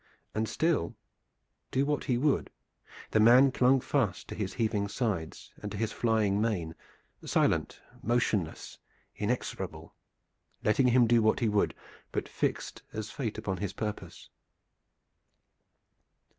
And still, do what he would, the man clung fast to his heaving sides and to his flying mane, silent, motionless, inexorable, letting him do what he would, but fixed as Fate upon his purpose.